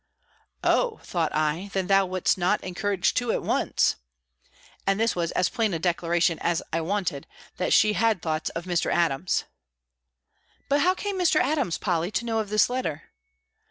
"Oh!" thought I, "then thou wouldst not encourage two at once;" and this was as plain a declaration as I wanted, that she had thoughts of Mr. Adams. "But how came Mr. Adams, Polly, to know of this letter?"